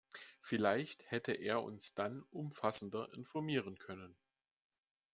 Vielleicht hätte er uns dann umfassender informieren können.